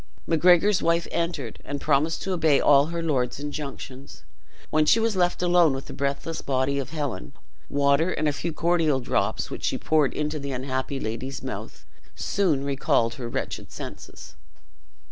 Macgregor's wife entered, and promised to obey all her lord's injunctions. When she was left alone with the breathless body of Helen, water, and a few cordial drops, which she poured into the unhappy lady's mouth, soon recalled her wretched senses.